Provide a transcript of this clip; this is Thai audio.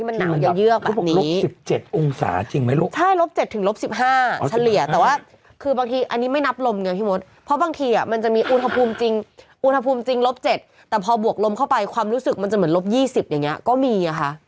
อันนี้ไม่นับลมไงพี่มดเพราะบางทีมันจะมีอุทธพลุมจริง๗แต่พอบวกลมเข้าไปความรู้สึกมันจะเหมือน๒๐อย่างนี้ก็มีค่ะ